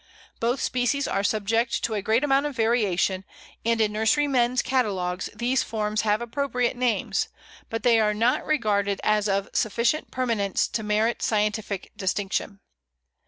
Both species are subject to a great amount of variation, and in nurserymen's catalogues these forms have appropriate names, but they are not regarded as of sufficient permanence to merit scientific distinction.